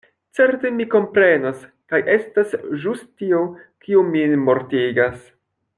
Certe mi komprenas: kaj estas ĵus tio, kio min mortigas.